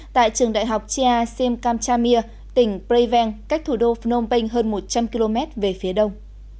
tại trường đại học chem camchamir tỉnh preven cách thủ đô phnom penh hơn một trăm linh km về phía đông